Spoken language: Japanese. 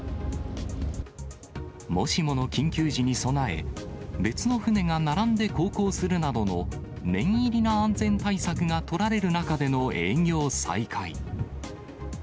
もしもの緊急時に備え、別の船が並んで航行するなどの、念入りな安全対策が取られる中での営業再開。